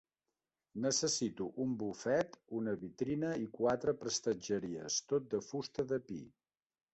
Necessito un bufet, una vitrina i quatre prestatgeries, tot de fusta de pi.